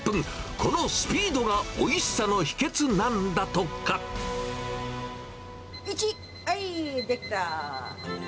このスピードがおいしさの秘けつはい、出来た！